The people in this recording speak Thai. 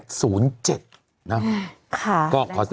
หมู่ช่องตอนนี้ค่ะ